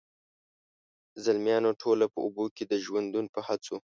زلمیان ټوله په اوبو کي د ژوندون په هڅو،